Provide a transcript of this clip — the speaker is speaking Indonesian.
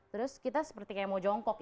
terus kita seperti kayak mau jongkok